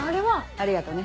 ありがとね。